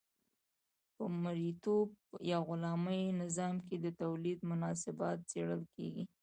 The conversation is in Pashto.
په مرئیتوب یا غلامي نظام کې د تولید مناسبات څیړل کیږي.